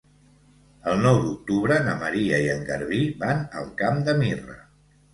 El nou d'octubre na Maria i en Garbí van al Camp de Mirra.